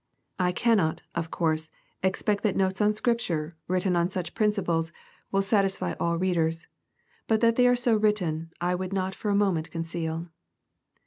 I cannot, of course,, expect that notes on Scripture, written on such princi i VI PREFACE. pies, will satisfy all readers ;— but that they are so written, I would not for a moment conceal.